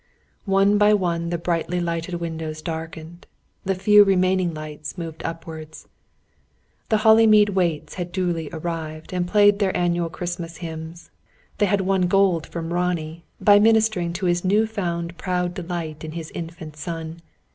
One by one the brightly lighted windows darkened; the few remaining lights moved upwards. The Hollymead Waits had duly arrived, and played their annual Christmas hymns. They had won gold from Ronnie, by ministering to his new found proud delight in his infant son.